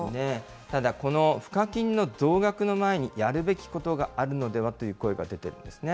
ただこの付加金の増額の前にやるべきことがあるのではという声が出てるんですね。